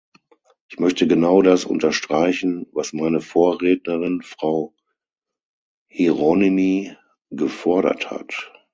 Ich möchte genau das unterstreichen, was meine Vorrednerin, Frau Hieronymi, gefordert hat.